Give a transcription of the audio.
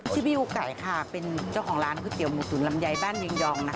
พี่อูไก่ค่ะเป็นเจ้าของร้านก๋วยเตี๋หมูตุ๋นลำไยบ้านเวียงยองนะคะ